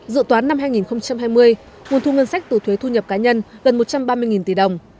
dự toán năm hai nghìn hai mươi nguồn thu ngân sách từ thuế thu nhập cá nhân gần một trăm ba mươi tỷ đồng